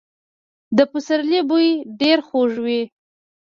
د پسرلي بوی ډېر خوږ وي.